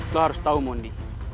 lo harus tau mondi